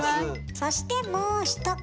そしてもう一方。